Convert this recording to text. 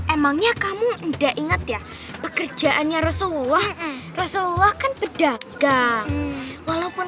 emangnya kamu enggak ingat ya pekerjaannya rasulullah rasulullah kan pedagang walaupun